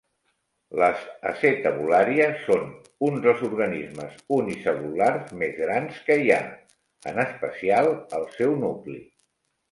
Les "acetabularia" són uns dels organismes unicel·lulars més grans que hi ha, en especial el seu nucli.